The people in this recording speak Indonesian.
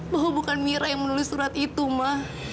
bahwa bukan mira yang menulis surat itu ma